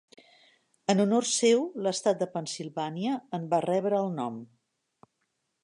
En honor seu, l'estat de Pennsilvània en va rebre el nom.